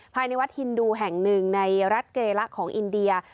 ภายในวัดฮินดูแห่งหนึ่งในรัฐเกละของอินเดีย